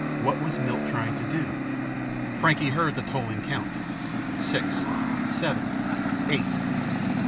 What was Milt trying to do? Frankie heard the tolling count six, seven, eight.